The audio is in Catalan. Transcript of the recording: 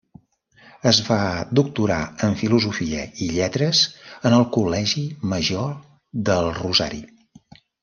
Es va doctorar en Filosofia i Lletres en el Col·legi Major del Rosari.